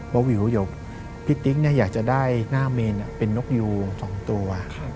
วิวเดี๋ยวพี่ติ๊กอยากจะได้หน้าเมนเป็นนกยูง๒ตัว